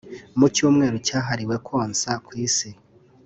Mu cyumweru cyahariwe konsa ku isi